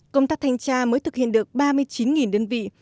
công tác thanh tra mới thực hiện được ba mươi chín đơn vị